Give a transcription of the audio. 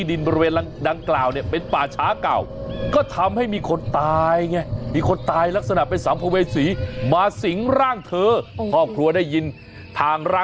อุ๊ยเขาว่ายังงั้นนะ